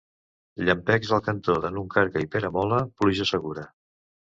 Llampecs al cantó de Nuncarga i Peramola, pluja segura.